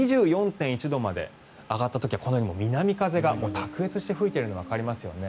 ２４．１度まで上がった時はこのように南風が卓越して吹いているのがわかりますよね。